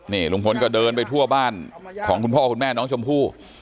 นี่ลุงพลก็เดินไปทั่วบ้านของคุณพ่อคุณแม่น้องชมพู่